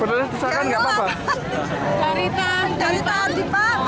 berdasarkan tidak apa apa